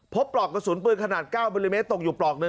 ปลอกกระสุนปืนขนาด๙มิลลิเมตรตกอยู่ปลอกหนึ่ง